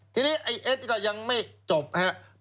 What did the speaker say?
ทีนี้ไอ้เอ็ดก็ยังไม่จบครับ